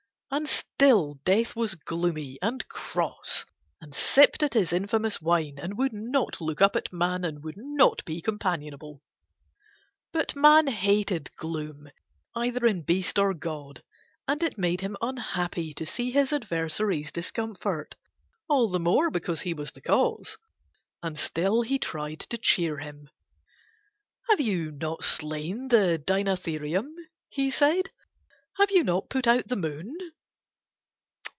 And still Death was gloomy and cross and sipped at his infamous wine and would not look up at Man and would not be companionable. But Man hated gloom either in beast or god, and it made him unhappy to see his adversary's discomfort, all the more because he was the cause, and still he tried to cheer him. "Have you not slain the Dinatherium?" he said. "Have you not put out the Moon?